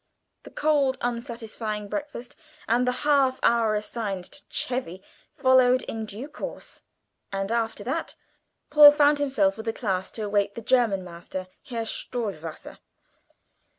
The cold, unsatisfying breakfast, and the half hour assigned to "chevy," followed in due course, and after that Paul found himself set down with a class to await the German master, Herr Stohwasser.